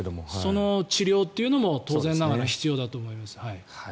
その治療というのも当然ながら必要だと思います。